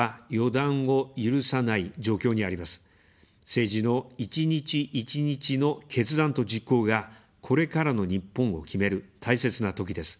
政治の一日一日の決断と実行が、これからの日本を決める、大切なときです。